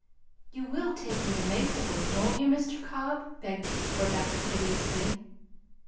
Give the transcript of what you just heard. "You will take me to Maplewood, won't you, Mr. Cobb?" begged Rebecca piteously.